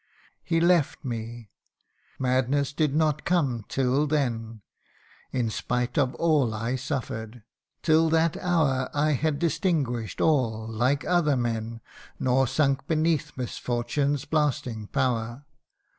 He left me madness did not come till then In spite of all I suffer 'd. Till that hour 128 THE UNDYING ONE. I had distinguish 'd all, like other men, Nor sunk beneath misfortune's blasting power.